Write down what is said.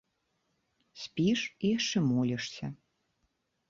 Спіш і яшчэ молішся.